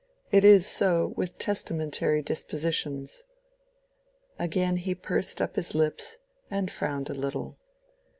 It is so, with testamentary dispositions." Again he pursed up his lips and frowned a little.